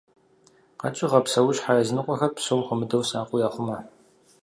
КъэкӀыгъэ, псэущхьэ языныкъуэхэр псом хуэмыдэу сакъыу яхъумэ.